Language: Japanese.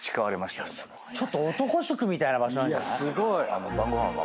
ちょっと『男塾』みたいな場所なんじゃない？